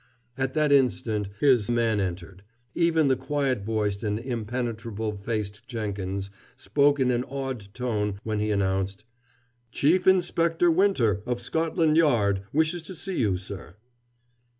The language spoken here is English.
At that instant his man entered. Even the quiet voiced and impenetrable faced Jenkins spoke in an awed tone when he announced: "Chief Inspector Winter, of Scotland Yard, wishes to see you, sir."